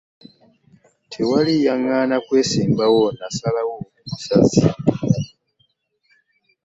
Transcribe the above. Tewali yaŋŋaana kwesimbawo nasalawo busazi.